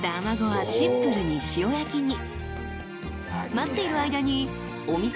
［待っている間に］